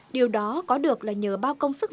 điều đó có được là nhờ bao công sức